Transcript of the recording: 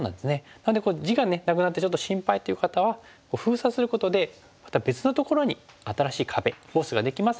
なので地がなくなってちょっと心配という方は封鎖することでまた別のところに新しい壁フォースができます